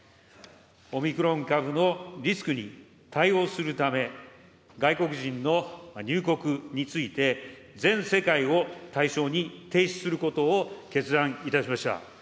オミクロン株のリスクに対応するため、外国人の入国について、全世界を対象に停止することを決断いたしました。